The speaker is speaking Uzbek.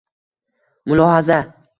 Mulohaza